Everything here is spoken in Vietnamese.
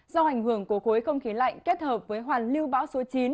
do hành hưởng của khối không khí lạnh kết hợp với hoàn lưu báo số chín